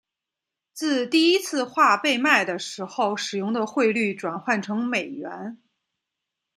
自第一次画被卖的时候使用的汇率转换成美元。